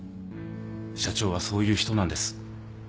社長はそういう人なんです。